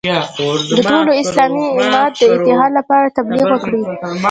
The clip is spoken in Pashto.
د ټول اسلامي امت د اتحاد لپاره تبلیغ وکړي.